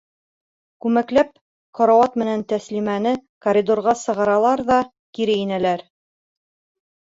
Күмәкләп карауат менән Тәслимәне коридорға сығаралар ҙа кире инәләр.